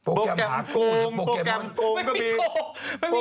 โปรแกรมโกงโปรแกรมโกงก็มี